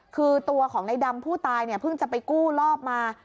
คือตัวของในดำผู้ตายเนี่ยเพิ่งจะไปกู้รอบมา